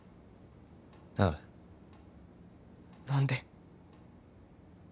ああ何で？